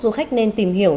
giá tốt du khách nên tìm hiểu